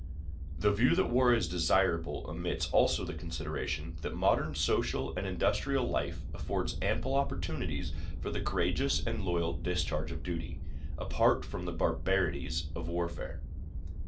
The view that war is desirable omits also the consideration that modern social and industrial life affords ample opportunities for the courageous and loyal discharge of duty, apart from the barbarities of warfare.